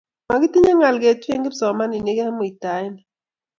makitinye ngal ketuye kipsomaninik eng muaet nii